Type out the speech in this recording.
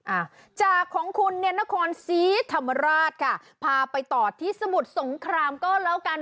อ่าจากของคุณเนี่ยนครศรีธรรมราชค่ะพาไปต่อที่สมุทรสงครามก็แล้วกัน